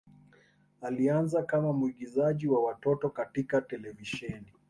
Alianza kama mwigizaji wa watoto katika televisheni.